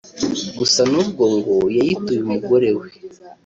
Gusa nubwo ngo yayituye umugore we